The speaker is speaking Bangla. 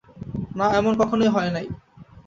না, এমন কখনোই হয় নাই।